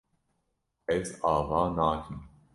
Ez ava nakim.